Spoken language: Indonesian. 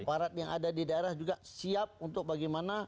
aparat yang ada di daerah juga siap untuk bagaimana